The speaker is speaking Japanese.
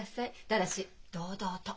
ただし堂々と。